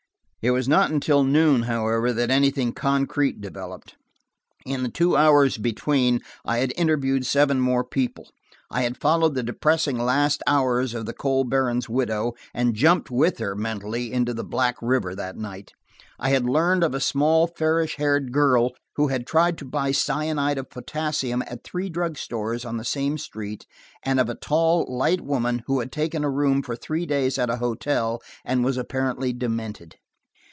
It was not until noon, however, that anything concrete developed. In the two hours between, I had interviewed seven more people. I had followed the depressing last hours of the coal baron's widow, and jumped with her, mentally, into the black river that night. I had learned of a small fairish haired girl who had tried to buy cyanide of potassium at three drug stores on the same street, and of a tall, light woman who had taken a room for three days at a hotel and was apparently demented.